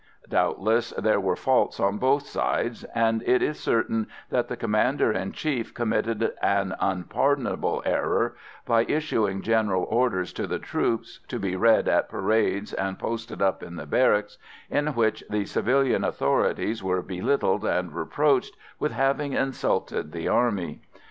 Doubtless there were faults on both sides; and it is certain that the Commander in Chief committed an unpardonable error by issuing general orders to the troops, to be read at parades and posted up in the barracks, in which the civilian authorities were belittled and reproached with having insulted the army.